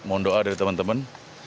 mohon doa dari teman teman